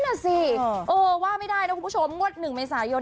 นั่นน่ะสิเออว่าไม่ได้นะคุณผู้ชมงวด๑เมษายน